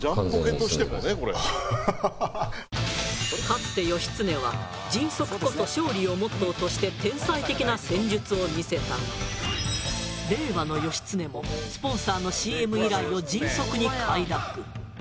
かつて義経は「迅速こそ勝利」をモットーとして天才的な戦術を見せたが令和の義経もスポンサーのＣＭ依頼を迅速に快諾。